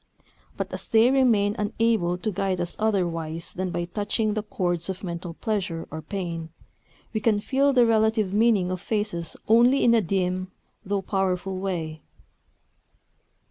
But as they remain unable to guide us otherwise than by touching the chords of mental pleasure or pain, we can feel the relative meaning of faces only in a dim, though powerful way.